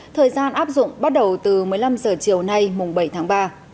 thời gian áp dụng bắt đầu từ một mươi năm h chiều nay mùng bảy tháng ba